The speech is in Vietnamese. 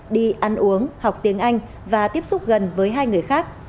đi ăn uống học tiếng anh và tiếp xúc gần với hai người khác